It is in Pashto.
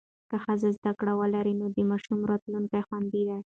که ښځه زده کړه ولري، نو د ماشومانو راتلونکی خوندي دی.